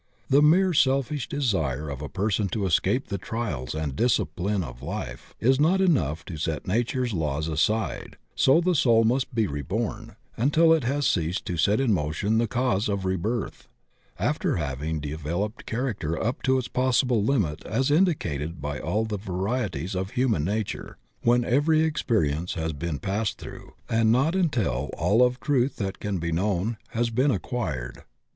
The mere selfish desire of a person to escape the trials and discipline of life is not enough to set nature's laws aside, so the soul must be reborn until it has ceased to set in motion the cause of rebirth, after having developed character up to its possible limit as indicated by all the varieties of human nature, when every experience has been passed throu^, and not until aU of truth that can be known has t^n acquired.